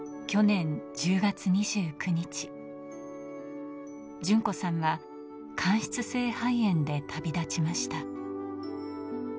去年１０月２９日、順子さんは間質性肺炎でため、旅立ちました。